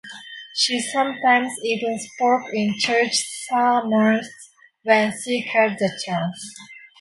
She sometimes even spoke in church sermons when she had the chance.